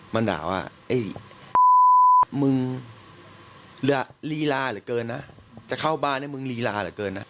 มาด่าว่าไอ้มึงลีลาเหลือเกินนะจะเข้าบ้านให้มึงลีลาเหลือเกินนะ